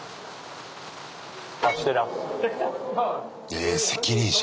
え責任者。